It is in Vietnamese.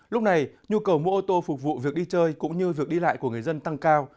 lúc này nhu cầu mua ô tô phục vụ việc đi chơi cũng như việc đi lại của người dân tăng cao